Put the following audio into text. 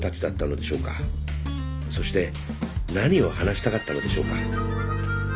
そして何を話したかったのでしょうか。